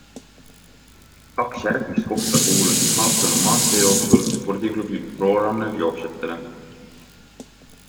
Kaks järgmist kohta kuulusid Haapsalu maanteejooksul spordiklubi ProRunner jooksjatele.